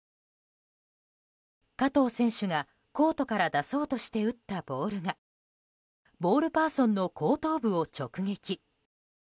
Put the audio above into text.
加藤選手が、コートから出そうとして打ったボールがボールパーソンの後頭部を直撃。